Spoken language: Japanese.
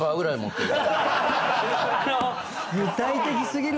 具体的過ぎるな。